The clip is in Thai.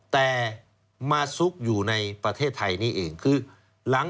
แต่มาซุกอยู่ในประเทศไทยนี่เอง